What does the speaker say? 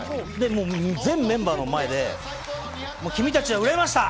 全メンバーの前で君たちは売れました！